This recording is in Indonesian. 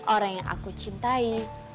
orang yang aku cintai